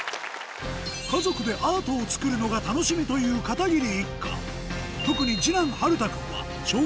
家族でアートをつくるのが楽しみという片桐一家